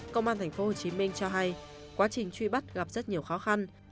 công an tp hcm cho hay quá trình truy bắt gặp rất nhiều khó khăn